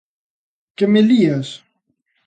Que me lías!